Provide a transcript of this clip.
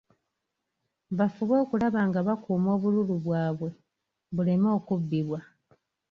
Bafube okulaba nga bakuuma obululu bwabwe, buleme okubbibwa.